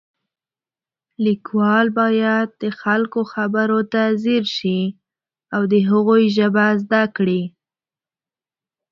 لیکوال باید د خلکو خبرو ته ځیر شي او د هغوی ژبه زده کړي